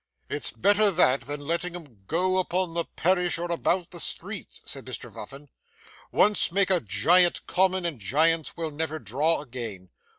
'It's better that, than letting 'em go upon the parish or about the streets,' said Mr Vuffin. 'Once make a giant common and giants will never draw again.